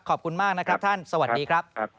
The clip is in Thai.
ขอบคุณมากนะครับท่านสวัสดีครับ